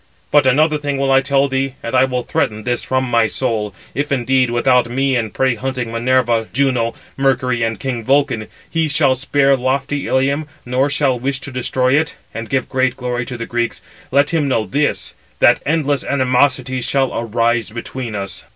But another thing will I tell thee, and I will threaten this from my soul; if indeed, without me and prey hunting Minerva, Juno, Mercury, and king Vulcan, he shall spare lofty Ilium, nor shall wish to destroy it, and give great glory to the Greeks; let him know this, that endless animosity shall arise between us."